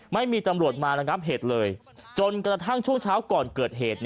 ไม่มีตำรวจมาระงับเหตุเลยจนกระทั่งช่วงเช้าก่อนเกิดเหตุ